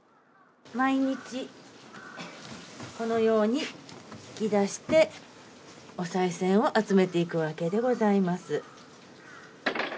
毎日このように引き出して、おさい銭を集めていくわけでございます。